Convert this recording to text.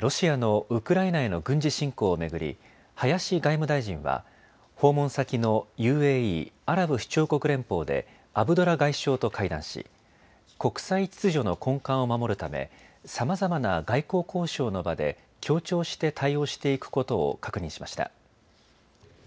ロシアのウクライナへの軍事侵攻を巡り林外務大臣は訪問先のＵＡＥ・アラブ首長国連邦でアブドラ外相と会談し、国際秩序の根幹を守るためさまざまな外交交渉の場で協調して対応していくことを確認しました。